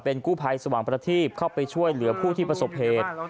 กู้ภัยสว่างประทีบเข้าไปช่วยเหลือผู้ที่ประสบเหตุ